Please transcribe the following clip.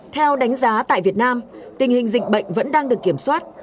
theo đánh giá tại việt nam tình hình dịch bệnh vẫn đang được kiểm soát